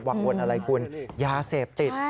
วลอะไรคุณยาเสพติด